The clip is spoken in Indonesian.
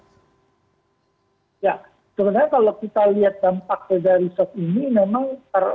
ya sebenarnya kalau kita lihat dampak dari resot ini memang